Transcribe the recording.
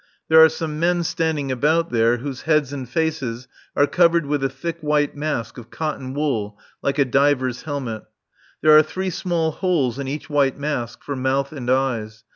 There are some men standing about there whose heads and faces are covered with a thick white mask of cotton wool like a diver's helmet. There are three small holes in each white mask, for mouth and eyes.